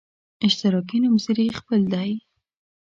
اشتراکي نومځري خپل دی.